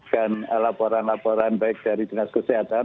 dan laporan laporan baik dari dinas kesehatan